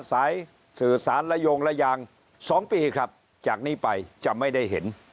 สายสื่อสารระโยงระยาง๒ปีครับจากนี้ไปจะไม่ได้เห็น